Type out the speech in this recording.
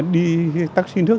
đi taxi nước